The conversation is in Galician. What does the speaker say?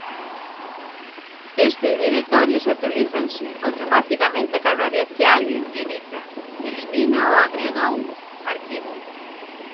Estes directorios actualízanse automaticamente cada vez que alguén edita, elimina ou agrega un arquivo.